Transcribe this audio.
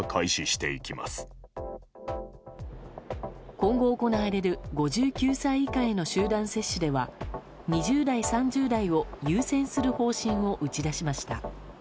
今後行われる５９歳以下への集団接種では２０代、３０代を優先する方針を打ち出しました。